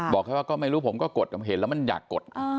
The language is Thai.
บอกแค่ว่าก็ไม่รู้ผมก็กดเห็นแล้วมันอยากกด